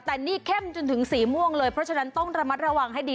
แต่นี่เข้มจนถึงสีม่วงเลยเพราะฉะนั้นต้องระมัดระวังให้ดี